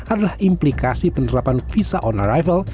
adalah implikasi penerapan visa on arrival